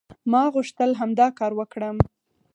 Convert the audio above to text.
ما غوښتل همدا کار وکړم".